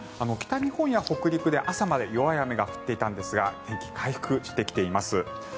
北日本や北陸で朝まで弱い雨が降っていたんですが天気は回復してきています。